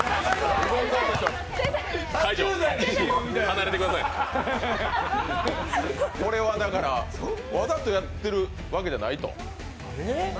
離れてくださいわざとやってるわけじゃないと。